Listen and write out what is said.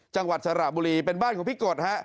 จังหวัดสระบุรีเป็นบ้านของพี่กฎฮะ